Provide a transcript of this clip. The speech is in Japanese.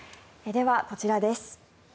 ではこちらです。